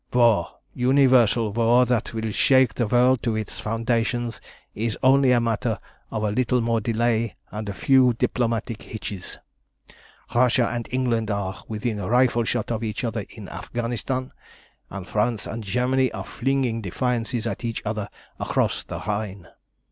"War universal war that will shake the world to its foundations is only a matter of a little more delay and a few diplomatic hitches. Russia and England are within rifleshot of each other in Afghanistan, and France and Germany are flinging defiances at each other across the Rhine.